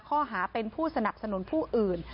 ข้อหาเป็นผู้สนับสนุนผู้อื่น